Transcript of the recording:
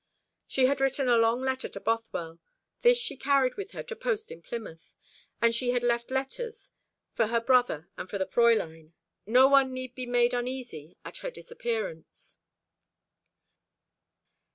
She had written a long letter to Bothwell. This she carried with her, to post in Plymouth; and she had left letters for her brother and for the Fräulein. No one need be made uneasy at her disappearance.